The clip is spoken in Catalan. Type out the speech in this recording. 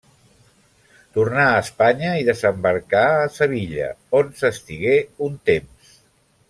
Tornà a Espanya i desembarcà a Sevilla, on s'estigué un temps.